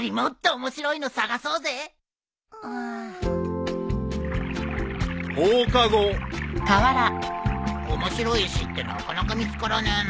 面白い石ってなかなか見つからねえな。